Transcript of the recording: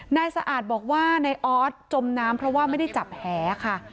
นายสะอาดบอกว่านายออสจมน้ำเพราะว่าไม่ได้จับแหค่ะ